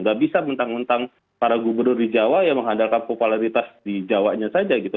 gak bisa mentang mentang para gubernur di jawa yang mengandalkan popularitas di jawanya saja gitu